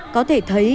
có thể thấy